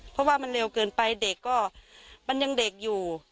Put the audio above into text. เพราะว่ามันเร็วเกินไปเด็กก็มันยังเด็กอยู่